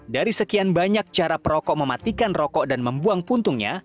dari sekian banyak cara perokok mematikan rokok dan membuang puntungnya